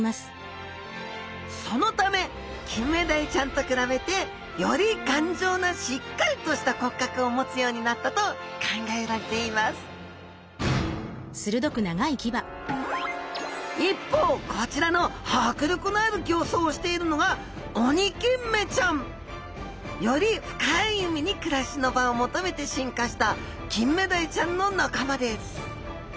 そのためキンメダイちゃんと比べてより頑丈なしっかりとした骨格を持つようになったと考えられています一方こちらの迫力のある形相をしているのがオニキンメちゃん。より深い海に暮らしの場を求めて進化したキンメダイちゃんの仲間です